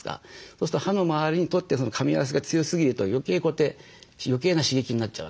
そうすると歯の周りにとってかみ合わせが強すぎると余計こうやって余計な刺激になっちゃうわけなんですよ。